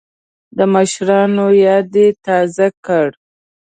د مشرانو یاد یې تازه کړ.